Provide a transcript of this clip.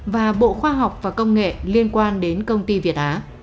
và bộ khoa học và công nghệ liên quan đến công ty việt á